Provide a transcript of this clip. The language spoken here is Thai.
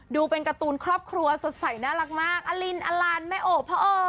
ดูเป็นการ์ตูนครอบครัวสดใสน่ารักมากอลินอลันแม่โอพ่อโอ